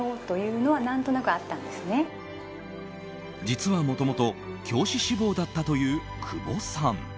実は、もともと教師志望だったという久保さん。